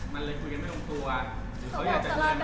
มันเลยคุยกันไม่ลงตัว